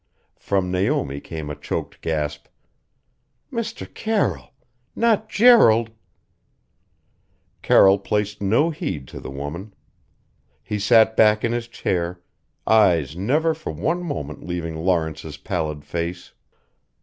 From Naomi came a choked gasp "Mr. Carroll! Not Gerald " Carroll paid no heed to the woman. He sat back in his chair, eyes never for one moment leaving Lawrence's pallid face.